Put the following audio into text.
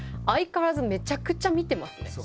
相変わらずめちゃくちゃ見てますね。